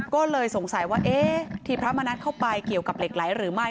ก็เลยสงสัยว่าเอ๊ะที่พระมณัฐเข้าไปเกี่ยวกับเหล็กไหลหรือไม่